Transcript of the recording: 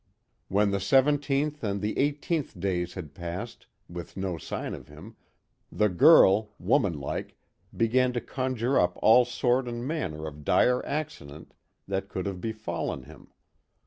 When the seventeenth and the eighteenth days had passed, with no sign of him, the girl, woman like, began to conjure up all sort and manner of dire accident that could have befallen him.